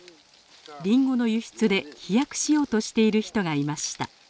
リンゴの輸出で飛躍しようとしている人がいました。